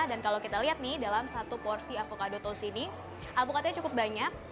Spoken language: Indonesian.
dan kalau kita lihat nih dalam satu porsi avocado toast ini alpukatnya cukup banyak